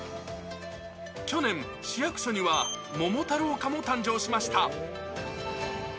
去年、市役所には桃太郎課も誕生しました。